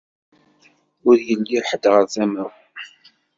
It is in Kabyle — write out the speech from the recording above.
Ur yelli ḥed ɣer tama-w.